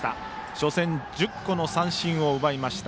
初戦、１０個の三振を奪いました。